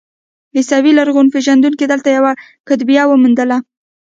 عیسوي لرغونپېژندونکو دلته یوه کتیبه وموندله.